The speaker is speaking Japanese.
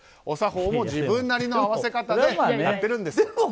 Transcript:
お作法も自分なりの合わせ方でやってるんですと。